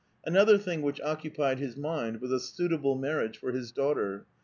Another thing which occupied his mind was a suitable maiTiage for his daughter.